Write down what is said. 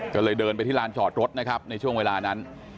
ก็เลยเดินไปที่ลานจอดรถนะครับในช่วงเวลานั้น